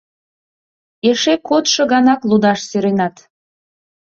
— Эше кодшо ганак лудаш сӧренат.